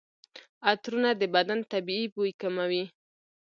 عطرونه د بدن طبیعي بوی کموي.